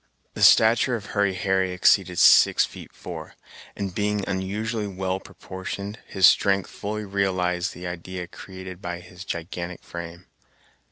The stature of Hurry Harry exceeded six feet four, and being unusually well proportioned, his strength fully realized the idea created by his gigantic frame.